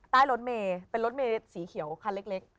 ใต้รถเมเป็นรถเมสีเขียวคันเล็ก